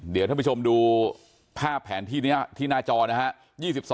เดี๋ยวท่านผู้ชมดูภาพแผนที่หน้าจอนะครับ